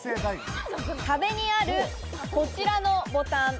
壁にあるこちらのボタン。